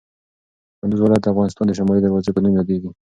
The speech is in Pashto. کندوز ولایت د افغانستان د شمال د دروازې په نوم یادیږي.